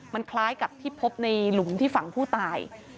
มันคล้ายกับที่พบในหลุมที่ฝั่งผู้ตาย